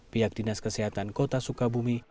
pihak dinas kesehatan kota sukabumi